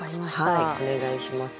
はいお願いします。